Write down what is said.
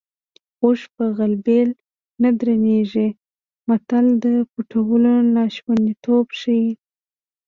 اوښ په غلبېل نه درنېږي متل د پټولو ناشونیتوب ښيي